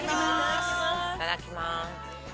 いただきます。